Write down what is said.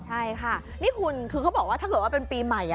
ใช่ค่ะนี่คุณคือเขาบอกว่าถ้าเกิดว่าเป็นปีใหม่